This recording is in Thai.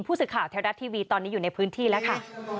ผู้สื่อข่าวไทยรัฐทีวีตอนนี้อยู่ในพื้นที่แล้วค่ะ